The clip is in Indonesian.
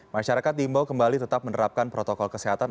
masyarakat diimbau kembali tetap menerapkan protokol kesehatan